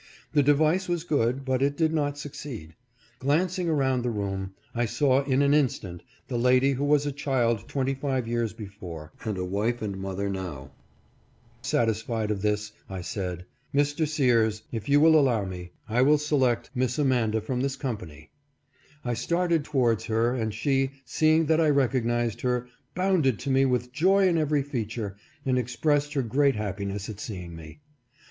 The device was good, but it did not succeed. Glancing around the room, I saw in an instant the lady who was a child twenty five years before, and the wife and mother now. Satisfied of this, I said, " Mr. Sears, 20 480 A HAPPY RECOGNITION. if you will allow me, I will select Miss Amanda from this company." I started towards her, and she, seeing that I recognized her, bounded to me with joy in every feature, and expressed her great happiness at seeing me.